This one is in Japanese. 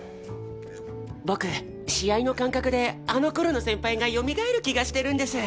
僕試合の感覚であの頃の先輩がよみがえる気がしてるんです。